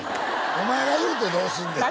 お前が言うてどうすんねん